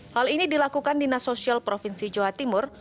hal ini dilakukan dinas sosial provinsi jawa timur